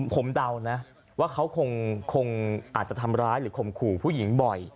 ผมเดานะว่าเขาคงอาจจะทำร้ายหรือข่มขู่ผู้หญิงบ่อย